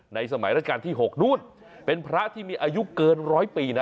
สมัยราชการที่๖นู่นเป็นพระที่มีอายุเกินร้อยปีนะ